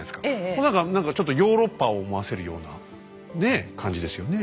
これ何かちょっとヨーロッパを思わせるようなねえ感じですよね。